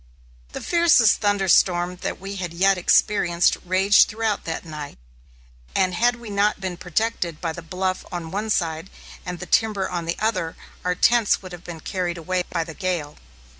The fiercest thunderstorm that we had yet experienced raged throughout that night, and had we not been protected by the bluff on one side, and the timber on the other, our tents would have been carried away by the gale.